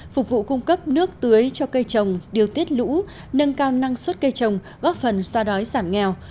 phục vụ cung cấp nước tưới cho cây trồng điều tiết lũ nâng cao năng suất cây trồng góp phần xoa đói giảm nghèo